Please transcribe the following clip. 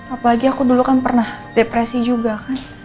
apalagi aku dulu kan pernah depresi juga kan